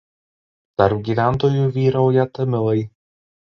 Tarp gyventojų vyrauja tamilai.